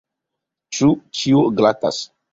Ĉu ĉio glatas?